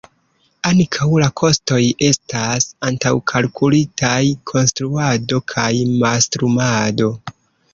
Ankaŭ la kostoj estas antaŭkalkulitaj: konstruado kaj mastrumado.